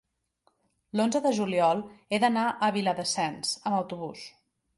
l'onze de juliol he d'anar a Viladasens amb autobús.